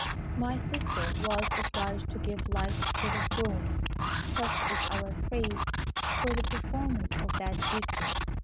"My sister was obliged to give light to the throne (such is our phrase for the performance of that duty).